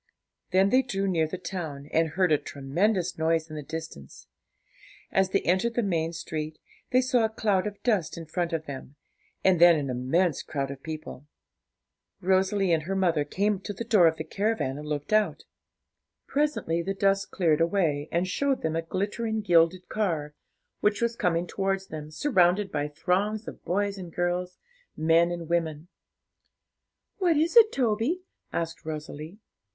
Then they drew near the town, and heard a tremendous noise in the distance. As they entered the main street, they saw a cloud of dust in front of them, and then an immense crowd of people. Rosalie and her mother came to the door of the caravan and looked out. Presently the dust cleared away, and showed them a glittering gilded car, which was coming towards them, surrounded by throngs of boys and girls, men and women. 'What is it, Toby?' asked Rosalie.